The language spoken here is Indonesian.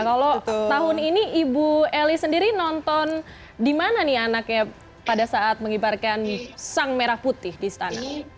kalau tahun ini ibu eli sendiri nonton di mana nih anaknya pada saat mengibarkan sang merah putih di istana